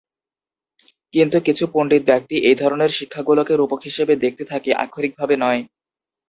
কিন্তু, কিছু পণ্ডিত ব্যক্তি এই ধরনের শিক্ষাগুলোকে রূপক হিসেবে দেখে থাকে, আক্ষরিকভাবে নয়।